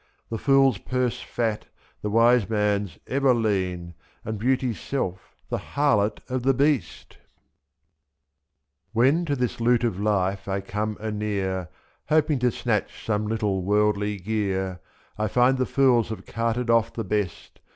The fool's purse fat, the wise man's ever lean, And Beauty's self the harlot of the Beast ? When to this loot of life I come anear. Hoping to snatch some little worldly gear, f^6". I find the fools have carted off the best.